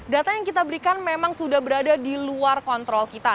data yang kita berikan memang sudah berada di luar kontrol kita